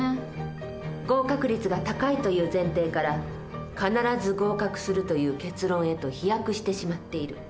合格率が高いという前提から必ず合格するという結論へと飛躍してしまっている。